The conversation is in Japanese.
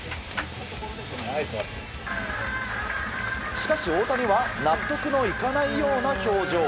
しかし大谷は納得のいかないような表情。